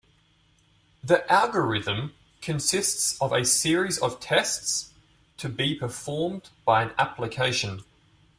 The algorithm consists of a series of tests to be performed by an application.